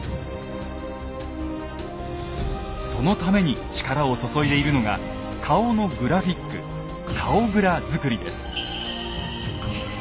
そのために力を注いでいるのが顔のグラフィック「顔グラ」作りです。